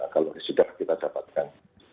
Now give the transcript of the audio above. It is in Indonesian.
kalau sudah kita dapatkan